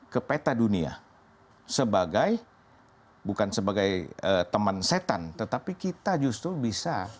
karena menarik ya